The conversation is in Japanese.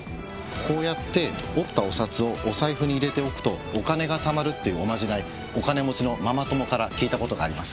こうやって折ったお札をお財布に入れておくとお金がたまるっていうおまじないお金持ちのママ友から聞いた事があります。